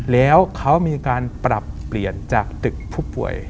แล้วเขามีการปรับเปลี่ยนจากตึกผู้ป่วย